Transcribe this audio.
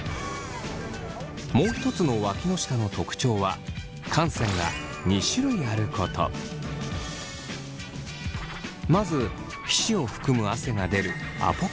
もう一つのわきの下の特徴はまず皮脂を含む汗が出るアポクリン腺。